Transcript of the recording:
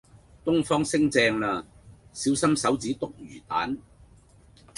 東方昇正呀，小心手指篤魚蛋